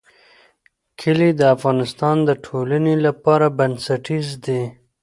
کلي د افغانستان د ټولنې لپاره بنسټیز دي.